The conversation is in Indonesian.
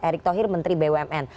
erick tahir menteri bumn